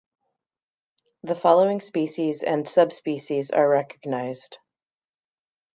The following species and subspecies are recognized.